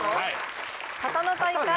形の大会？